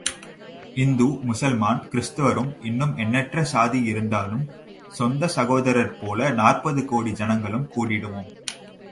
இந்து முசல்மான் கிறிஸ்தவரும் இன்னும் எண்ணற்ற சாதி இருந்தாலும் சொந்த சகோதரர் போல நாற்பது கோடி ஜனங்களும் கூடிடுவோம்.